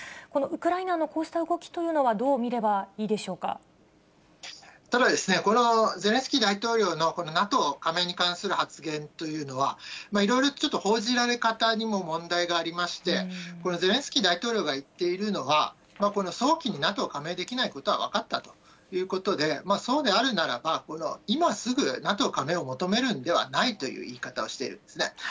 このウクライナのこうした動きというのは、どう見ればいいでしょただ、このゼレンスキー大統領のＮＡＴＯ加盟に関する発言というのは、いろいろとちょっと報じられ方にも問題がありまして、ゼレンスキー大統領が言っているのは、この早期にＮＡＴＯ加盟できないことは分かったということで、そうであるならば、この、今すぐＮＡＴＯ加盟を求めるんではないという言い方をしているんですね。